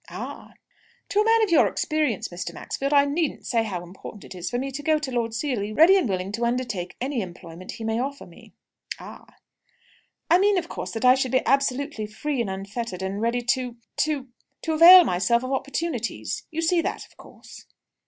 "Ah!" "To a man of your experience, Mr. Maxfield, I needn't say how important it is for me to go to Lord Seely, ready and willing to undertake any employment he may offer me." "Ah!" "I mean, of course, that I should be absolutely free and unfettered, and ready to to to avail myself of opportunities. You see that, of course?"